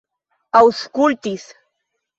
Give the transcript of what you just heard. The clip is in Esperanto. aŭskultis